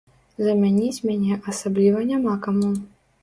Замяніць мяне асабліва няма каму.